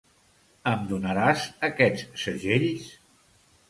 Em donaràs aquests segells?